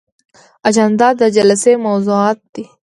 اجنډا د جلسې موضوعات دي